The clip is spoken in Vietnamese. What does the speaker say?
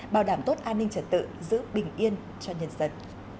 bảo đảm tốt an ninh trật tự giữ bình yên cho nhân dân